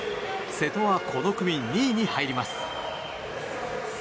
瀬戸はこの組２位に入ります。